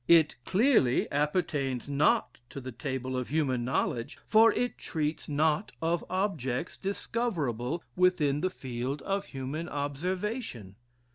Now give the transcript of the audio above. It clearly appertains not to the table of human knowledge, for it treats not of objects discoverable within the field of human observation.